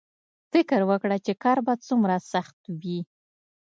فکر وکړه چې کار به څومره سخت وي